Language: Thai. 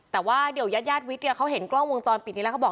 แต่ว่าเดี๋ยวยาดวิทย์เนี่ยเขาเห็นกล้องวงจรปิดนี้แล้วเขาบอก